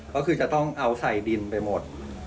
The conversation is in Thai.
ก็คือจะต้องเอาใส่ดินไปหมด